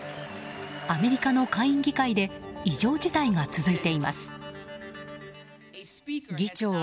アメリカの下院議会で異常事態が続いています。